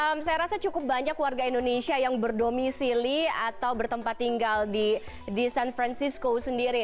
ya saya rasa cukup banyak warga indonesia yang berdomisili atau bertempat tinggal di san francisco sendiri